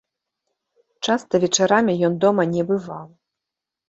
Часта вечарамі ён дома не бываў.